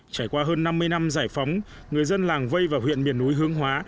trải qua hơn năm mươi năm giải phóng người dân làng vây và huyện miền núi hướng hóa